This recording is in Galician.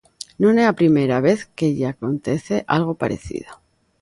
Non é a primeira vez que lle acontece algo parecido.